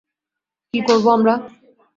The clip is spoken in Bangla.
কী করবো আমরা?